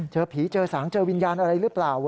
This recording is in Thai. เจอผีเจอสางเจอวิญญาณอะไรหรือเปล่า